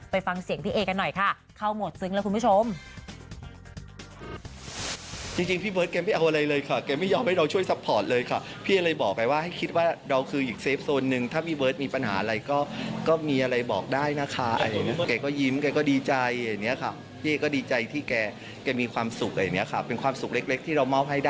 ไปฟังเสียงพี่เอกันหน่อยค่ะเข้าหมดซึ้งแล้วคุณผู้ชม